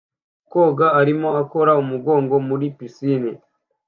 Koga arimo akora umugongo muri pisine